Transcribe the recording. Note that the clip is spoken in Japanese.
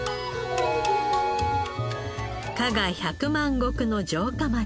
加賀百万石の城下町